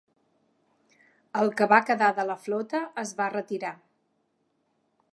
El que va quedar de la flota es va retirar.